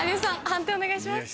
判定お願いします。